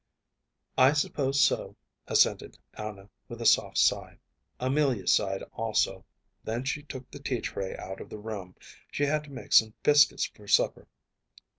“I suppose so,‚ÄĚ assented Anna, with a soft sigh. Amelia sighed also. Then she took the tea tray out of the room. She had to make some biscuits for supper.